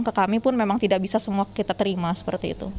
ke kami pun memang tidak bisa semua kita terima seperti itu